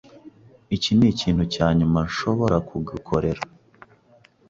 Iki nikintu cyanyuma nshobora kugukorera.